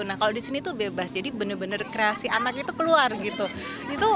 nah kalau di sini tuh bebas jadi bener bener kreasi anak itu keluar gitu